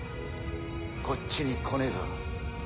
こっちに来ねえか？